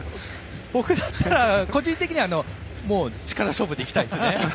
僕だったら個人的には力勝負で行きたいですね。